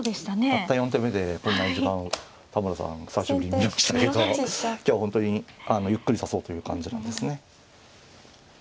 たった４手目でこんなに時間を田村さん久しぶりに見ましたけど今日は本当にゆっくり指そうという感じなんですね。